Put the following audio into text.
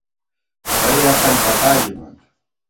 بئی عقل پتا ژِمان